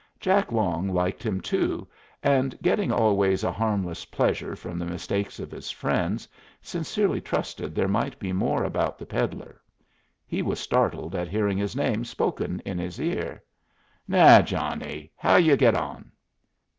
Jack Long liked him too; and getting always a harmless pleasure from the mistakes of his friends, sincerely trusted there might be more about the peddler. He was startled at hearing his name spoken in his ear. "Nah! Johnny, how you get on?"